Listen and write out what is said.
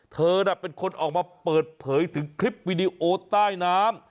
เธอน่ะเป็นคนออกมาเปิดเผยถึงคลิปวิดีโอใต้น้ำ